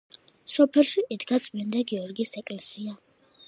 სოფელში იდგა წმინდა გიორგის ეკლესია.